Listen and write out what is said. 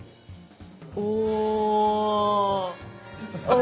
お。